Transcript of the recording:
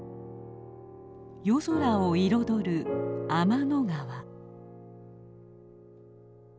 夜空を彩る天の川。